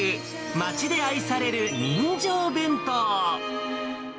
町で愛される人情弁当。